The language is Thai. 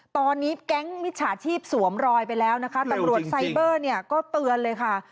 ตอนนี้แก๊งมิจฉาชีพสวมรอยไปแล้วนะคะตำรวจไซเบอร์เนี่ยก็เตือนเลยค่ะ